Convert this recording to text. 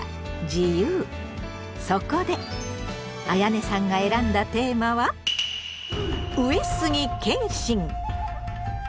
そこであやねさんが選んだテーマは「上杉謙信」！